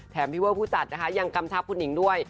แถมว่าผู้จัดยังกำชับคนิ่งด้วย